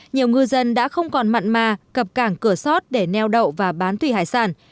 nhiều ngư dân đã không còn mặn mà cập cảng cửa sót để neo đậu và bán thủy hải sản